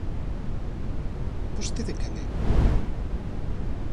Vostede quen é?